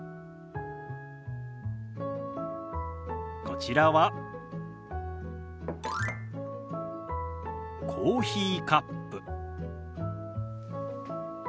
こちらはコーヒーカップ。